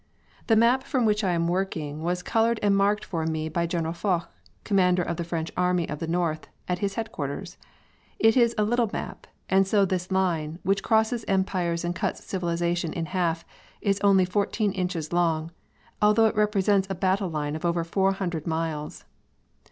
The map from which I am working was coloured and marked for me by General Foch, commander of the French Army of the North, at his headquarters. It is a little map, and so this line, which crosses empires and cuts civilisation in half, is only fourteen inches long, although it represents a battle line of over four hundred miles.